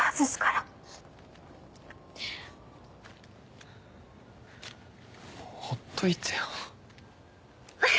もうほっといてよ。